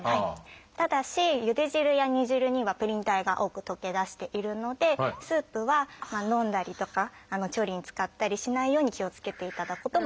ただしゆで汁や煮汁にはプリン体が多く溶け出しているのでスープは飲んだりとか調理に使ったりしないように気をつけていただくことも大切。